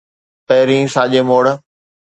پهرين ساڄي موڙ